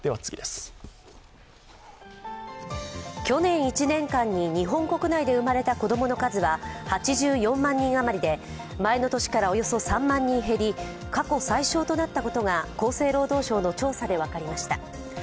去年１年間に日本国内で生まれた子供の数は８４万人余りで、前の年からおよそ３万人減り、過去最少となったことが厚生労働省の調査で分かりました。